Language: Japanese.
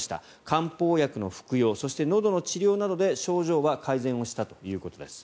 漢方薬の服用そして、のどの治療などで症状は改善をしたということです。